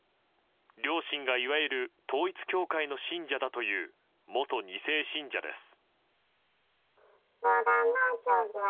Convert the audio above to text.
両親が、いわゆる統一教会の信者だという元２世信者です。